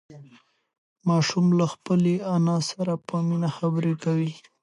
ماشوم له خپلې انا سره په مینه خبرې کولې